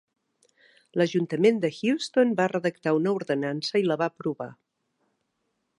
L'ajuntament de Houston va redactar una ordenança i la va aprovar.